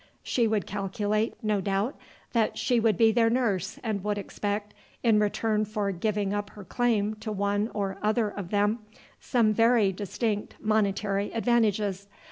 She would calculate no doubt that she would be their nurse, and would expect, in return for giving up her claim to one or other of them, some very distinct monetary advantages.